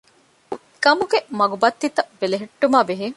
ގަމުގެ މަގުބައްތިތައް ބެލެހެއްޓުމާ ބެހޭ